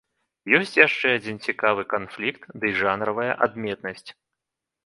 Ёсць яшчэ адзін цікавы канфлікт дый жанравая адметнасць.